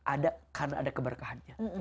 ada karena ada keberkahannya